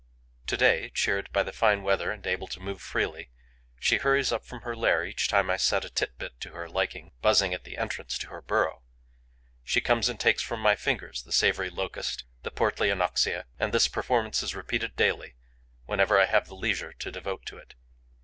To day, cheered by the fine weather and able to move freely, she hurries up from her lair each time I set a tit bit to her liking buzzing at the entrance to her burrow; she comes and takes from my fingers the savoury Locust, the portly Anoxia; and this performance is repeated daily, whenever I have the leisure to devote to it.